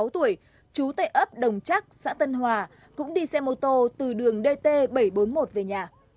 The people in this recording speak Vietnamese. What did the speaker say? hai mươi sáu tuổi chú tệ ớt đồng chắc xã tân hòa cũng đi xe mô tô từ đường dt bảy trăm bốn mươi một về nhà